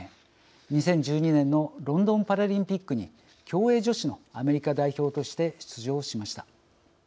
２０１２年のロンドンパラリンピックに競泳女子のアメリカ代表として出場しました。